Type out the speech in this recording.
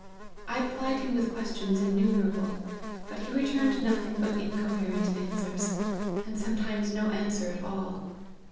I plied him with questions innumerable ; but he returned nothing but incoherent answers, and sometimes no answer at all.